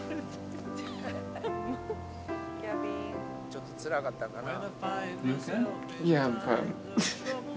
ちょっとつらかったんかな。